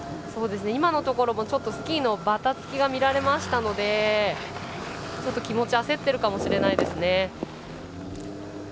今のところもスキーのばたつきが見られましたのでちょっと気持ちが焦ってるかもしれないですね。